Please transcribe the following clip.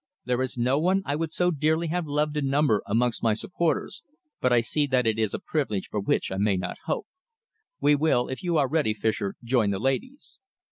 There is no one I would so dearly have loved to number amongst my supporters, but I see that it is a privilege for which I may not hope.... We will, if you are ready, Fischer, join the ladies."